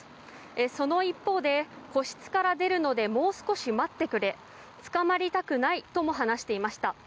その一方で個室から出るのでもう少し待ってくれ捕まりたくないとも話していました。